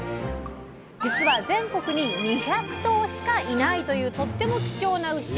実は全国に２００頭しかいないというとっても貴重な牛。